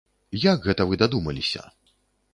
Як гэта вы дадумаліся?